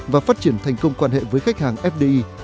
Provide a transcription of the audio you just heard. và phát triển thành công quan hệ với khách hàng fdi